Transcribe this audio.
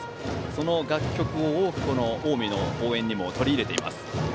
その楽曲を近江の応援にも取り入れています。